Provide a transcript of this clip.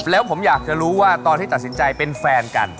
แล้วผมอยากจะรู้ว่าตอนที่ตัดสินใจเป็นแฟนกัน